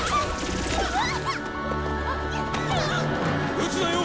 撃つなよ！